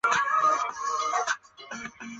大理国时属乌蒙部。